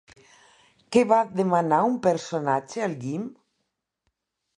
Què va demanar un personatge al Guim?